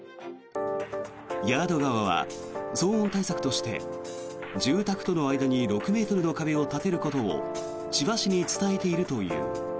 ヤード側は騒音対策として住宅との間に６ｍの壁を立てることを千葉市に伝えているという。